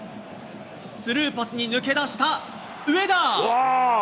スルーパスに抜け出した上田。